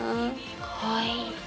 かわいい。